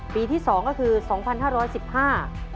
ปีที่สองก็คือสองพันห้าร้อยสิบห้า